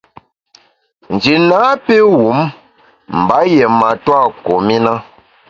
Nji napi wum mba yié matua kum i na.